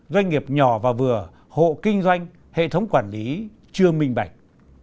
doanh nghiệp nhỏ và vừa hộ kinh doanh hệ thống quản lý chưa minh bạch